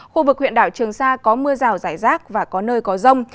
khu vực huyện đảo trường sa có mưa rào rải rác và có nơi có rông